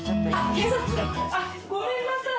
あ警察あごめんなさい。